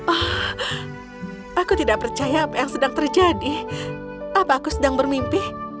ah aku tidak percaya apa yang sedang terjadi apa aku sedang bermimpi